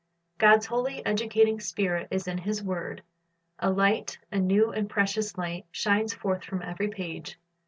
God's holy, educating Spirit is in His word. A light, a new and precious light, shines forth from every page.